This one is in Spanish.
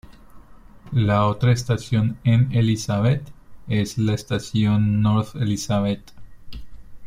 La otra estación en Elizabeth es la estación North Elizabeth.